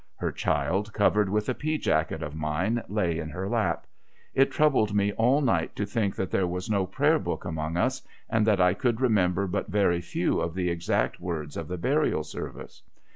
Her child, covered with a pea jacket of mine, lay in her lap. It troubled me all night to think that there was no Prayer Book among us, and that I could remember but very few of the exact words of the burial service.